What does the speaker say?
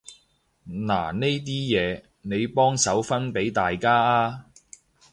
嗱呢啲嘢，你幫手分畀大家啊